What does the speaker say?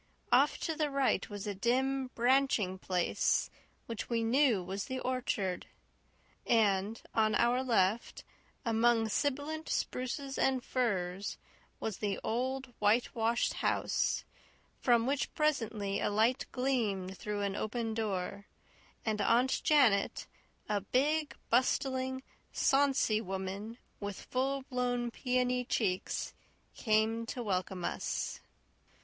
Off to the right was a dim, branching place which we knew was the orchard; and on our left, among sibilant spruces and firs, was the old, whitewashed house from which presently a light gleamed through an open door, and Aunt Janet, a big, bustling, sonsy woman, with full blown peony cheeks, came to welcome us.